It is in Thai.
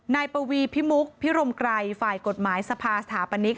นายปวีพิมุกพิรมไกรฝ่ายกฎหมายสภาสถาปนิก